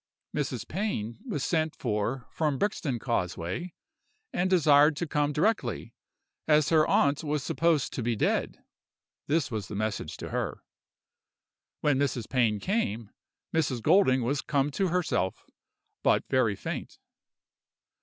"Mrs. Pain was sent for from Brixton Causeway, and desired to come directly, as her aunt was supposed to be dead: this was the message to her. When Mrs. Pain came, Mrs. Golding was come to herself, but very faint.